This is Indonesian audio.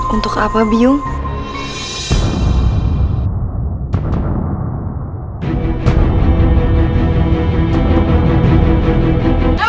untuk apa byung